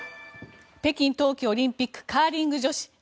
北京冬季オリンピックカーリング女子